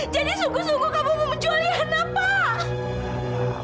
jadi sungguh sungguh kamu mau menjual riana pak